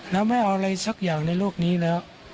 แล้วไม่เอาอะไรสักอย่างในโลกนี้แล้ว